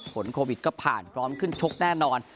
ผลโควิดก็ผ่านพร้อมขึ้นชกแน่นอน